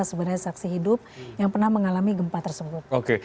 sebenarnya saksi hidup yang pernah mengalami gempa tersebut